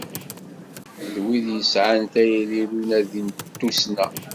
D wid i yesεan tayri n unadi d tussna